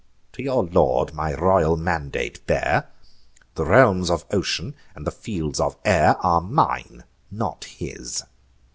to your lord my royal mandate bear, The realms of ocean and the fields of air Are mine, not his.